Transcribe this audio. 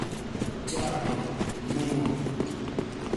چاٹو مووہ